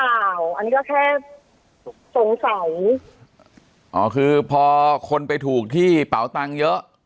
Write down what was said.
อันนี้ก็แค่สงสัยอ๋อคือพอคนไปถูกที่เป๋าตังค์เยอะ